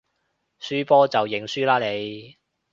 輸波就認輸啦你